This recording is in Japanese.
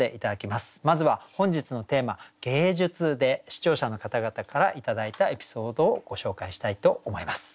まずは本日のテーマ「芸術」で視聴者の方々から頂いたエピソードをご紹介したいと思います。